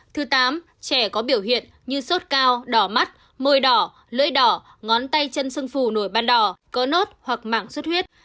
thứ tám trẻ có biểu hiện như sốt cao đỏ mắt mồi đỏ lưỡi đỏ ngón tay chân sưng phù nổi ban đỏ cơ nốt hoặc mảng sốt huyết